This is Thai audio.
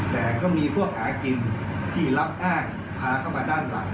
แต่ก็มีพวกหากินที่รับอ้างพาเข้ามาด้านหลัง